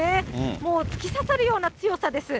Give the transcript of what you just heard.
もう突き刺さるような強さです。